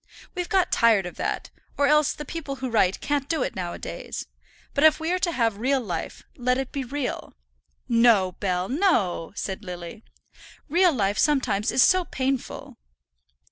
We've got tired of that; or else the people who write can't do it now a days. But if we are to have real life, let it be real." "No, Bell, no!" said Lily. "Real life sometimes is so painful."